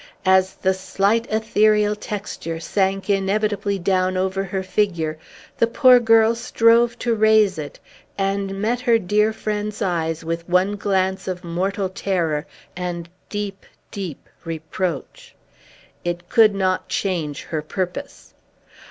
As the slight, ethereal texture sank inevitably down over her figure, the poor girl strove to raise it, and met her dear friend's eyes with one glance of mortal terror, and deep, deep reproach. It could not change her purpose.